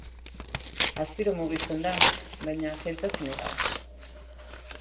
Astiro mugitze da, baina zailtasunik gabe.